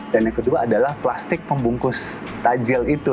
dan yang kedua adalah plastik pembungkus tajil itu